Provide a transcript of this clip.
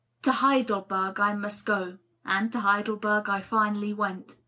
To Heidel berg I must go, and to Heidelberg I finally went.